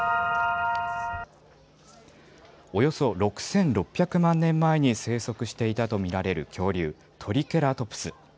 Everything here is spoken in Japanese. およそ６６００万年前に生息していたと見られる恐竜トリケラトプス。